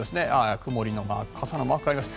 曇りのマーク、傘のマークあります。